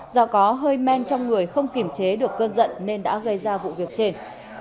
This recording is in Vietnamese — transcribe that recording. do có hơi men trong người không kiểm chế được cơn giận nên đã gây ra vụ việc trên